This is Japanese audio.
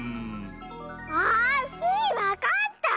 あ！スイわかった！